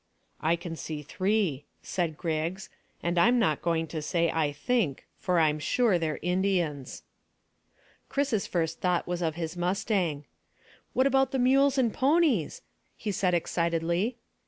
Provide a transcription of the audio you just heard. "I can see three," said Griggs, "and I'm not going to say I think, for I'm sure they're Indians." Chris's first thought was of his mustang. "What about the mules and ponies?" he said excitedly.